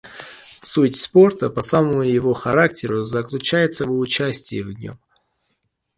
Суть спорта по самому его характеру заключается в участии в нем.